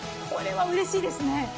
これはうれしいですね。